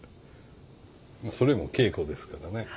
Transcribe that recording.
それも稽古ですからね。